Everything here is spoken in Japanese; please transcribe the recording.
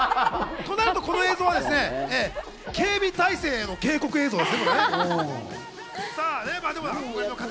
となると、この映像は警備体制の警告映像です。